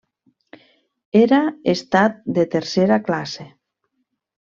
Era estat de tercera classe.